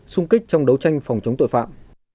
xung kích trong đấu tranh phòng chống tội phạm